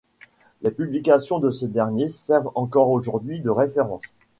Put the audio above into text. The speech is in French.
Les publications de ce dernier servent encore aujourd'hui de référence.